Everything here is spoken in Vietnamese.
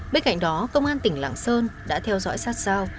bên cạnh đó công an tỉnh lạng sơn đã theo dõi sát sao